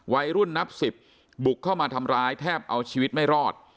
วัยรุ่นนับสิบบุกเข้ามาทำร้ายแทบเอาชีวิตไม่รอด